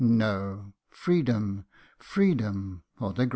No freedom, freedom, or the grave